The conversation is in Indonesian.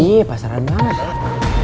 iya pasaran banget